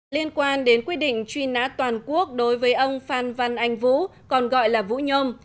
liên quan đến quy định truy nã toàn quốc đối với ông phan văn anh vũ còn gọi là vũ nhôm